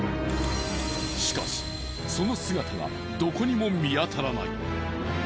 しかしその姿がどこにも見当たらない。